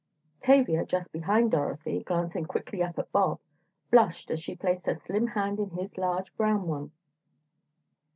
Tavia, just behind Dorothy, glancing quickly up at Bob, blushed as she placed her slim hand in his large brown one.